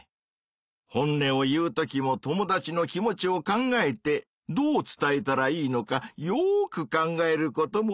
本音を言うときも友達の気持ちを考えてどう伝えたらいいのかよく考えることもたいせつかもね。